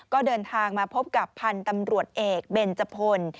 ก็เดินทางมาพบกับพันธุ์ตำรวจเอกเบนจพล